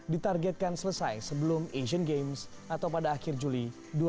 ditargetkan selesai sebelum asian games atau pada akhir juli dua ribu delapan belas